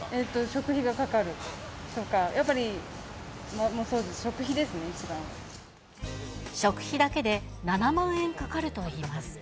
食費がかかるとか、やっぱり、そうですね、食費だけで７万円かかるといいます。